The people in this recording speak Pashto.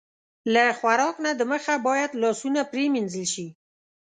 له خوراک نه د مخه باید لاسونه پرېمنځل شي.